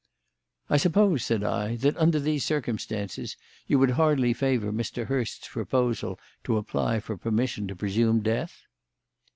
"I suppose," said I, "that, under these circumstances, you would hardly favour Mr. Hurst's proposal to apply for permission to presume death?"